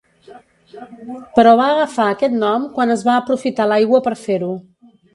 Però va agafar aquest nom quan es va aprofitar l'aigua per fer-ho.